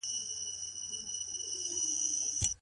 سندري ويل او ټوکې کول ولي د کار پر مهال حرام دي؟